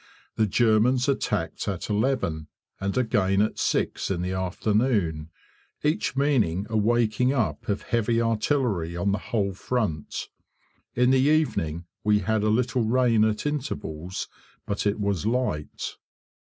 The Germans attacked at eleven, and again at six in the afternoon, each meaning a waking up of heavy artillery on the whole front. In the evening we had a little rain at intervals, but it was light.